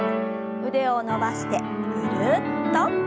腕を伸ばしてぐるっと。